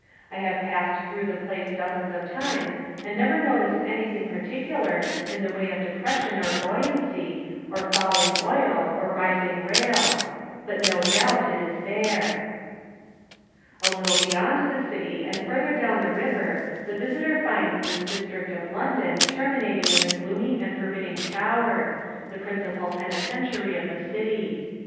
I have passed through the place dozens of times and never noticed anything particular in the way of depression or buoyancy, or falling oil, or rising rails. But no doubt it is there. A little beyond the city and further down the river the visitor finds this district of London terminating in the gloomy and forbidding Tower, the principal penitentiary of the city.